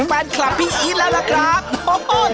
แฟนคลับพี่อีทแล้วล่ะครับ